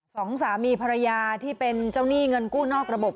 สองสามีภรรยาที่เป็นเจ้าหนี้เงินกู้นอกระบบ